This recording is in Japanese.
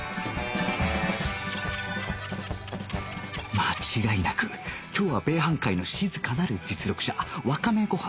間違いなく今日は米飯界の静かなる実力者わかめご飯